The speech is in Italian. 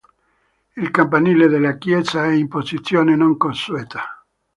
Il campanile della chiesa è in posizione non consueta.